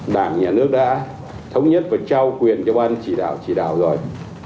đảng nhà nước đã thống nhất và trao quyền cho ban chỉ đạo rồi